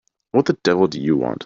What the devil do you want?